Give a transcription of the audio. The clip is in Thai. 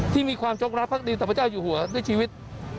ที่มีความจงรักฺฑกดประจาอยู่หัวด้วยชีวิต